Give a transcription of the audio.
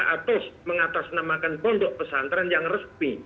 atau mengatasnamakan pondok pesantren yang resmi